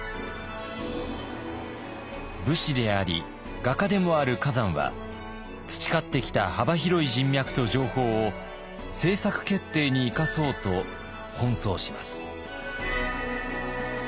武士であり画家でもある崋山は培ってきた幅広い人脈と情報を政策決定に生かそうと奔走します。